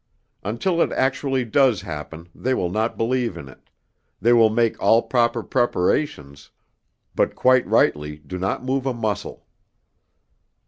Until it actually does happen they will not believe in it; they make all proper preparations, but quite rightly do not move a muscle.